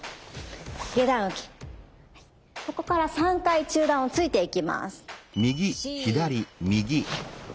ここから３回中段を突いていきます。